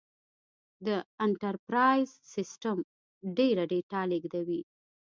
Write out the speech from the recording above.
دا انټرپرایز سیسټم ډېره ډیټا لېږدوي.